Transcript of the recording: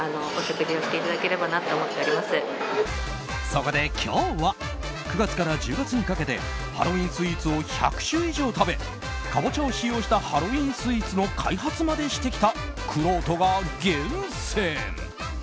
そこで今日は９月から１０月にかけてハロウィーンスイーツを１００種類以上食べカボチャを使用したハロウィーンスイーツの開発までしてきたくろうとが厳選！